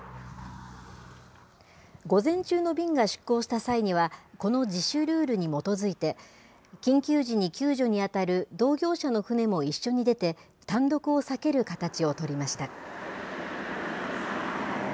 午前中の便が出港した際には、この自主ルールに基づいて、緊急時に救助に当たる同業者の船も一緒に出て、単独を避ける形を取りました。